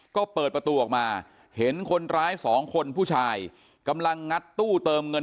ก็เปิดประตูออกมาเห็นคนร้ายสองคนผู้ชายกำลังงัดตู้เติมเงิน